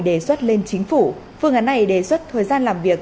đề xuất lên chính phủ phương án này đề xuất thời gian làm việc